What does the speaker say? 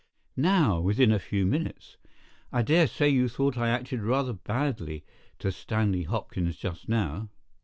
"Now—within a few minutes. I dare say you thought I acted rather badly to Stanley Hopkins just now?"